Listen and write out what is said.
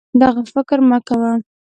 دغه فکر مه کوه